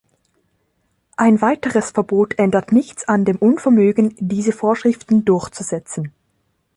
Ein weiteres Verbot ändert nichts an dem Unvermögen, diese Vorschriften durchzusetzen.